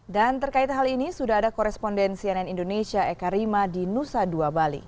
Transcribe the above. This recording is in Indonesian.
dan terkait hal ini sudah ada koresponden cnn indonesia eka rima di nusa dua bali